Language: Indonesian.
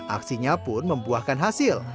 aksinya pun membuahkan hasil